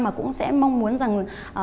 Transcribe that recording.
mà cũng sẽ mong muốn rằng